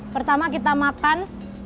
pertama kita makan